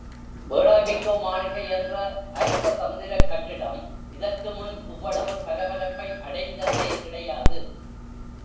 வேளாவிக்கோ மாளிகை என்ற அரசதந்திரக் கட்டிடம் இதற்குமுன் இவ்வளவு பரபரப்பை அடைந்ததே கிடையாது.